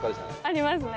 ありますね。